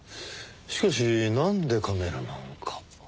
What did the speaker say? しかしなんでカメラなんか。